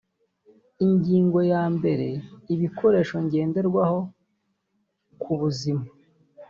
ingingo ya mbere ibikoresho ngenderwaho kubuzima